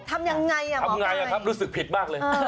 ทำยังไงอ่ะหมอทำยังไงอ่ะครับรู้สึกผิดมากเลย